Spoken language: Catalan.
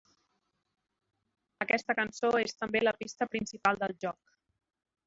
Aquesta cançó és també la pista principal del joc.